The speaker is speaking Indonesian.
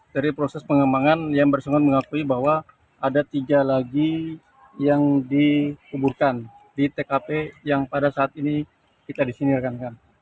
dari proses pengembangan yang bersangkutan mengakui bahwa ada tiga lagi yang dikuburkan di tkp yang pada saat ini kita di sini rekan rekan